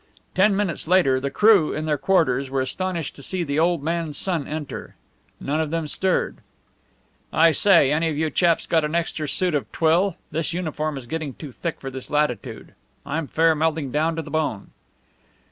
Ten minutes later the crew in their quarters were astonished to see the old man's son enter. None of them stirred. "I say, any you chaps got an extra suit of twill? This uniform is getting too thick for this latitude. I'm fair melting down to the bone."